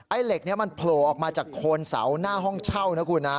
เหล็กนี้มันโผล่ออกมาจากโคนเสาหน้าห้องเช่านะคุณนะ